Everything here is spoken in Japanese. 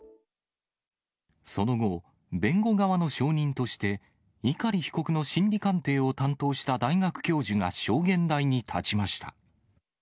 その後、弁護側の証人として、碇被告の心理鑑定を担当した大学教授が証言台に立ちました。